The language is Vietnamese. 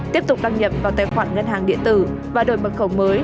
tiếp tục đăng nhập vào tài khoản ngân hàng điện tử và đổi mật khẩu mới